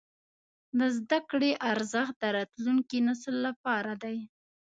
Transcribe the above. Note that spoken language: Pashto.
د زده کړې ارزښت د راتلونکي نسل لپاره دی.